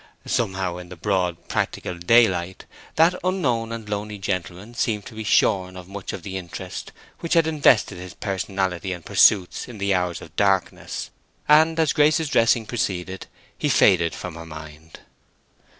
Somehow, in the broad, practical daylight, that unknown and lonely gentleman seemed to be shorn of much of the interest which had invested his personality and pursuits in the hours of darkness, and as Grace's dressing proceeded he faded from her mind.